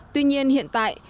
tuy nhiên hiện tại